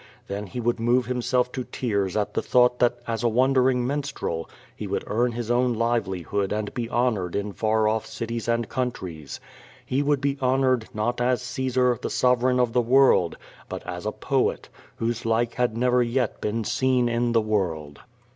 Then he would move himself to tears at the thought that as a wandering minstrel he would earn his own livelihood and be honored in far off cities and countries. He would be hon ored, not as Caesar, the sovereign of the world, but as a poet, whose like had never yet been seen in the world.